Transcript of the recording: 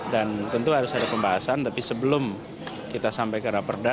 dan tentu harus ada pembahasan tapi sebelum kita sampai ke raperda